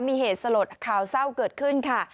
มีเหตุสลดข่าวเศร้าเกิดขึ้นค่ะ